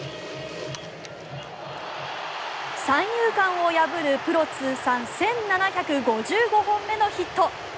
三遊間を破るプロ通算１７５５本目のヒット。